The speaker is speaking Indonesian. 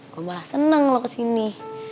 gue malah seneng loh kesini